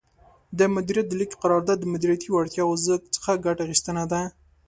د مدیریت د لیږد قرار داد د مدیریتي وړتیاوو څخه ګټه اخیستنه ده.